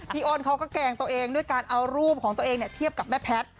อ้นเขาก็แกล้งตัวเองด้วยการเอารูปของตัวเองเทียบกับแม่แพทย์